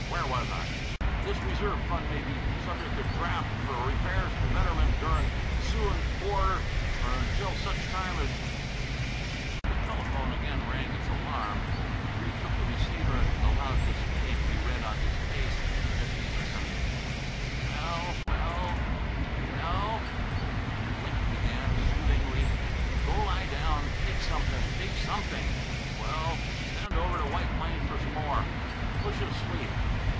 Where was I? This reserve fund may be subject to draft f'r repairs an' betterment durin' 'suin' quarter or 'ntil such time as " The telephone again rang its alarm. Breede took the receiver and allowed dismay to be read on his face as he listened. "Well, well, well," he at length began, soothingly, "go lie down; take something; take something; well, send over t' White Plains f'r s'more. Putcha t' sleep.